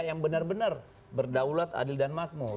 yang benar benar berdaulat adil dan makmur